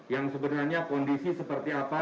yang sebenarnya kondisi seperti apa